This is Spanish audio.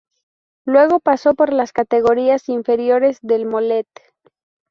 Luego, pasó por las categorías inferiores del Mollet.